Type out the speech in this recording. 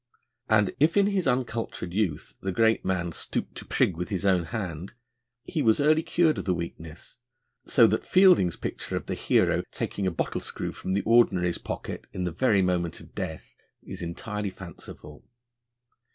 And if in his uncultured youth the great man stooped to prig with his own hand, he was early cured of the weakness: so that Fielding's picture of the hero taking a bottle screw from the Ordinary's pocket in the very moment of death is entirely fanciful.